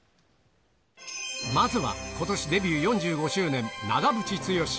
まずはことしデビュー４５周年、長渕剛。